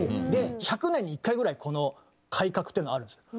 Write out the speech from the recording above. １００年に１回ぐらいこの改革っていうのはあるんですよ。